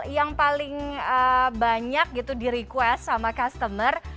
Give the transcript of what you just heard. yang paling banyak gitu di request sama customer